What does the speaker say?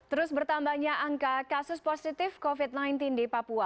terus bertambahnya angka kasus positif covid sembilan belas di papua